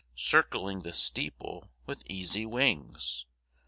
Circling the steeple with easy wings.